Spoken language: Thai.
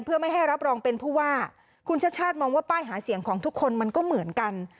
เพื่อไม่ให้รับรองเป็นผู้ว่าคุณชาติชาติมองว่าป้ายหาเสียงของทุกคนมันก็เหมือนกัน